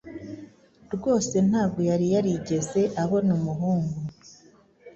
rwose ntabwo yari yarigeze abona umuhungu